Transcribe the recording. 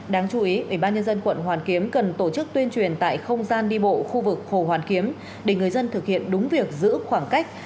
đáng chú ý ủy ban nhân dân quận hoàn kiếm cần tổ chức tuyên truyền tại không gian đi bộ khu vực hồ hoàn kiếm để người dân thực hiện đúng việc giữ khoảng cách